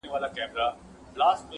یو خوا مُلا دی بل خوا کرونا ده-